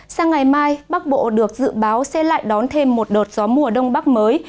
sang ngày mai bắc bộ được dự báo sẽ lại đón thêm một đợt gió mùa đông bắc mới